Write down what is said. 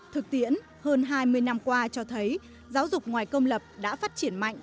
thực tiễn hơn hai mươi năm qua cho thấy giáo dục ngoài công lập đã phát triển mạnh